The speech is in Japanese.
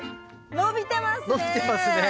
伸びてますね。